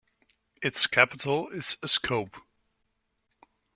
Its capital is Ascope.